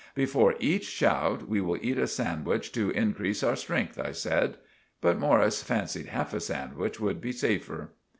"Before each shout we will eat a sandwich to increese our strength," I said. But Morris fancied half a sandwich would be safer.